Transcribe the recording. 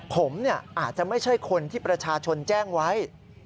ผมอาจจะไม่ใช่คนที่ประชาชนแจ้งไว้